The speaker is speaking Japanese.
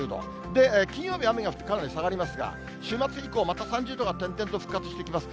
で、金曜日、雨が降ってかなり下がりますが、週末以降、また３０度が点々と復活してきます。